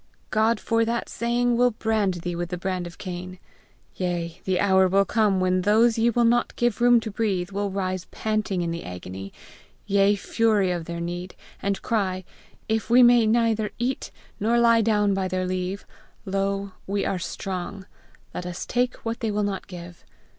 God for that saying will brand thee with the brand of Cain. Yea, the hour will come when those ye will not give room to breathe, will rise panting in the agony, yea fury of their need, and cry, 'If we may neither eat nor lie down by their leave, lo, we are strong! let us take what they will not give!